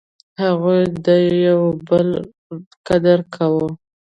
هغوی د یو بل قدر کاوه.